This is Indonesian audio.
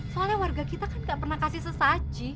soalnya warga kita kan gak pernah kasih sesaji